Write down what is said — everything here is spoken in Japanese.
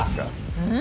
うん？